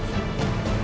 saya perlu disini